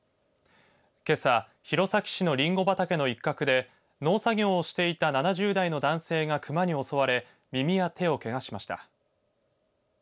けさ、弘前市のりんご畑の一角で農作業をしていた７０代の男性が熊に襲われ耳や手をけがしました。